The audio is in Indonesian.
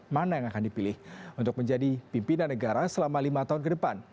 mana yang akan dipilih untuk menjadi pimpinan negara selama lima tahun ke depan